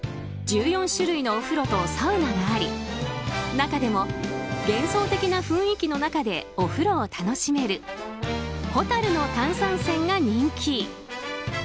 １４種類のお風呂とサウナがあり中でも幻想的な雰囲気の中でお風呂を楽しめるほたるの炭酸泉が人気。